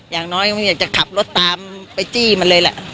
อย่างน้อยมักจะขับรถตามไปจี้มันเลยล่ะ